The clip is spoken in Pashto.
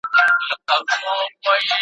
هر یو سیوری د رباب نغمې ته دام سو`